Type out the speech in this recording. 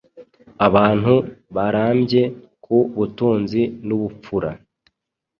Abantu barambye ku butunzi n’ubupfura”.